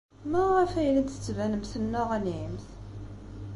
Maɣef ay la d-tettbanemt tenneɣnimt?